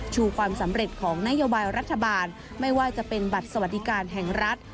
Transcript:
ความสำเร็จของนโยบายรัฐบาลไม่ว่าจะเป็นบัตรสวัสดิการแห่งรัฐ